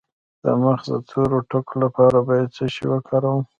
د مخ د تور ټکو لپاره باید څه شی وکاروم؟